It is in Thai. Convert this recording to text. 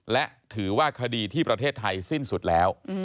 และถือว่าคดีที่ประเทศไทยสิ้นสุดแล้ว